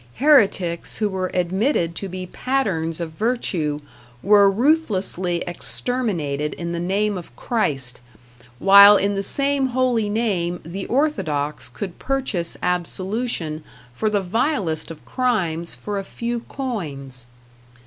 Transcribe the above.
Heretics who were admitted to be patterns of virtue were ruthlessly exterminated in the name of Christ, while in the same holy name the orthodox could purchase absolution for the vilest of crimes for a few coins.